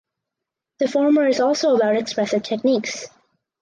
The former is also about expressive techniques.